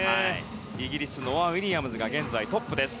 イギリスノア・ウィリアムズが現在トップ。